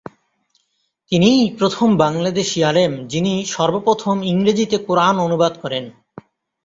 তিনিই প্রথম বাংলাদেশী আলেম, যিনি সর্বপ্রথম ইংরেজিতে কুরআন অনুবাদ করেন।